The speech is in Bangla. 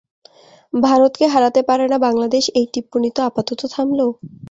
ভারতকে হারাতে পারে না বাংলাদেশ এই টিপ্পনী তো আপাতত থামল।